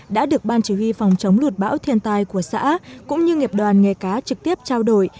đã được ban chỉ huy phòng chống lụt bão thiên tai của xã cũng như nghiệp đoàn nghề cá trực tiếp trao đổi